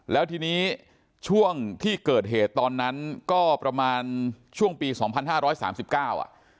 แล้วทีนี้ช่วงที่เกิดเหตุตอนนั้นก็ประมาณช่วงปีสองพันห้าร้อยสามสิบเก้าอ่ะ